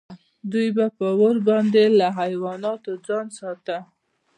دوی به په اور باندې له حیواناتو ځان ساته.